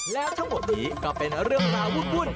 แล้วทั้งหมดนี้ก็เป็นเรื่องราววุ่น